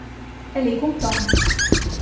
elles est contente.